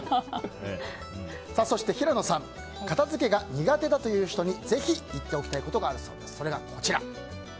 そして、平野さん片付けが苦手だという人にぜひ言っておきたいことがあるそうです。